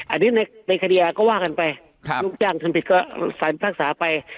อันนี้ในในคดียาก็ว่ากันไปครับลูกจ้างทำผิดก็ฝ่ายภาคสาไป